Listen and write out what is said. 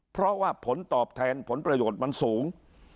เพราะว่าผลตอบแทนผลประโยชน์มันสูง